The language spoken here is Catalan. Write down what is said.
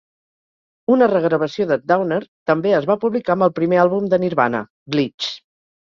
Una re-gravació de "Downer" també es va publicar amb el primer àlbum de Nirvana, "Bleach".